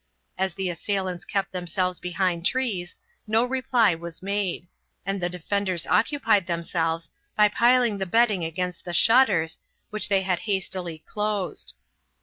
As the assailants kept themselves behind trees, no reply was made, and the defenders occupied themselves by piling the bedding against the shutters, which they had hastily closed.